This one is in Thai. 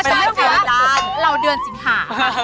เป็นเรื่องของเราเดือนสินหา